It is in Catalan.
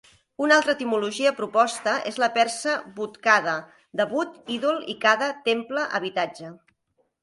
Una altra etimologia proposta és la persa "butkada", de "but", "ídol" i "kada", "temple, habitatge.